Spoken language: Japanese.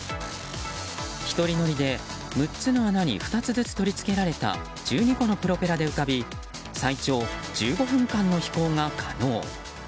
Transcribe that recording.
１人乗りで、６つの穴に２つずつ取り付けられた１２個のプロペラで浮かび最長１５分間の飛行が可能。